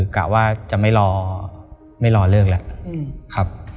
กะว่าจะไม่รอเลิกแล้วครับ